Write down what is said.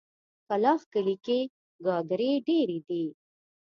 کلاخ کلي کې ګاګرې ډېرې دي.